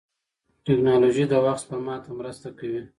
ټکنالوژي د وخت سپما ته مرسته کوي.